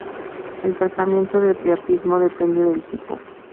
El tratamiento del priapismo depende del tipo.